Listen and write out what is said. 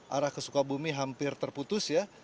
arah kesukaan bumi hampir terputus ya